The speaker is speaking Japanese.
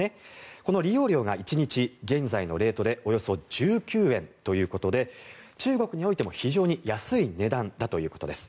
この利用料が１日現在のレートでおよそ１９円ということで中国においても非常に安い値段だということです。